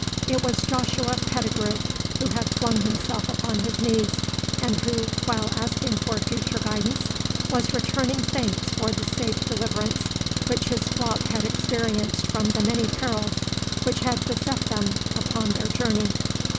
It was Joshua Pettigrue, who had flung himself upon his knees, and who, while asking for future guidance, was returning thanks for the safe deliverance which his flock had experienced from the many perils which had beset them upon their journey.